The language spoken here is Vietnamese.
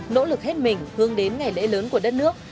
nỗ lực hết mình hướng đến ngày lễ lớn của đất nước